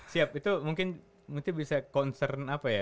siap itu mungkin bisa concern apa ya